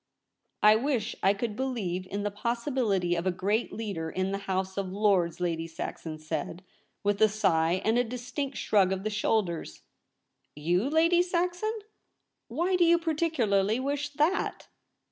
* I wish I could believe in the possibility of a great leader in the House of Lords,' Lady Saxon said, with a sigh and a distinct shrug of the shoulders. 236 THE REBEL ROSE. * You, Lady Saxon ! Why do you par ticularly wish that